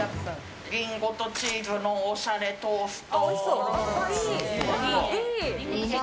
りんごとチーズのおしゃれトースト。